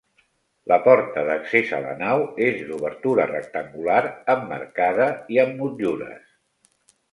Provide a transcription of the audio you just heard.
La porta d'accés a la nau és d'obertura rectangular emmarcada i amb motllures.